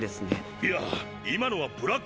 いや今のはブラックが勝手に。